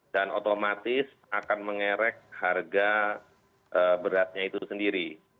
dan otomatis akan mengerek harga berasnya itu sendiri